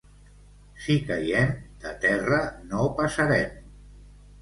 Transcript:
Si caiem, de terra no passarem.